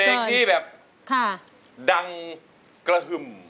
เพลงที่แบบดังกระหึ่ม